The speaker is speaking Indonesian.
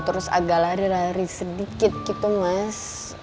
terus agak lari lari sedikit gitu mas